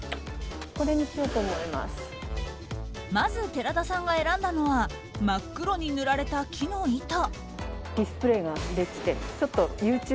まず、寺田さんが選んだのは真っ黒に塗られた木の板。